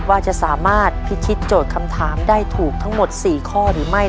ว่าจะสามารถพิชิตโจทย์คำถามได้ถูกทั้งหมด๔ข้อหรือไม่